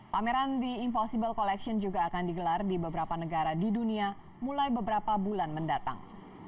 pameran the impossible collection juga akan digelar di beberapa negara di dunia mulai beberapa bulan mendatang